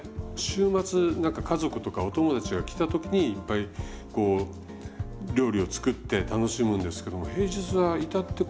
週末なんか家族とかお友達が来た時にいっぱいこう料理を作って楽しむんですけども平日は至って